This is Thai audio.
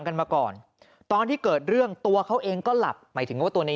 กันมาก่อนตอนที่เกิดเรื่องตัวเขาเองก็หลับหมายถึงว่าตัวใน